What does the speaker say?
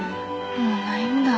もうないんだ。